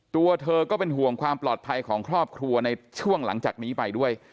ตัวเธอก็เป็นห่วงความปลอดภัยของครอบครัวในช่วงหลังจากนี้ไปด้วย